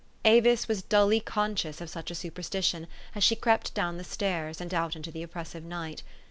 Avis was dully conscious of such a superstition as she crept down the stairs, and out into the oppressive night.